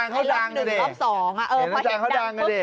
เห็นอาจารย์เขาดังเลย